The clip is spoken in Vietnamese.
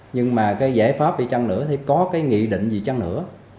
nhưng mà cái giải pháp gì chăng nữa thì có cái nghị định gì chăng nữa